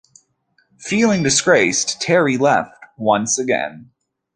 Feeling disgraced, Terry left once again.